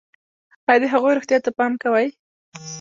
ایا د هغوی روغتیا ته پام کوئ؟